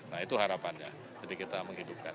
nah itu harapannya jadi kita menghidupkan